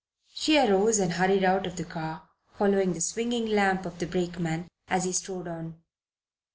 She arose and hurried out of the car, following the swinging lamp of the brakeman as he strode on.